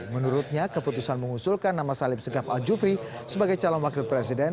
menurutnya keputusan mengusulkan nama salib segaf al jufri sebagai calon wakil presiden